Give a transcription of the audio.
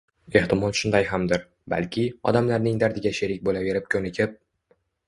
Ehtimol shunday hamdir. Balki, odamlarning dardiga sherik bo'laverib ko'nikib